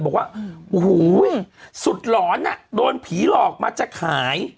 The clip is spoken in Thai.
บอกว่าโอ้โหสุดหลอนโดนผีหลอกมาจะขาย